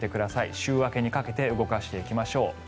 週明けにかけて動かしていきましょう。